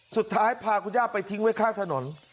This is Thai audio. สุดท้ายพาคุณย่าไปทิ้งไว้ข้างถนน